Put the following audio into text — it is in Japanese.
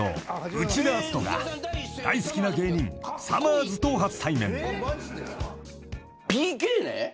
内田篤人が大好きな芸人さまぁずと初対面］